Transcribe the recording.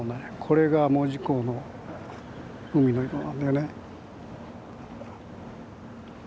これが門司港の海の色なんだよね。